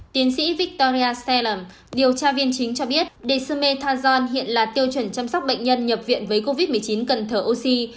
tiến sĩ victoria stelem điều tra viên chính cho biết dsometan hiện là tiêu chuẩn chăm sóc bệnh nhân nhập viện với covid một mươi chín cần thở oxy